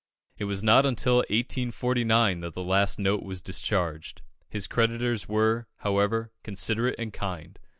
It was not until 1849 that the last note was discharged. His creditors were, however, considerate and kind.